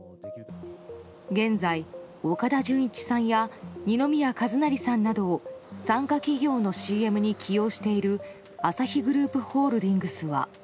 現在、岡田准一さんや二宮和也さんなどを傘下企業のＣＭに起用しているアサヒグループホールディングスは。